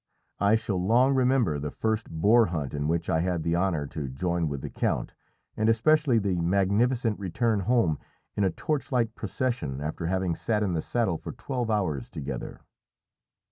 I shall long remember the first boar hunt in which I had the honour to join with the count, and especially the magnificent return home in a torchlight procession after having sat in the saddle for twelve hours together.